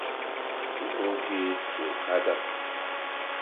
Inyuu kii u nhadap?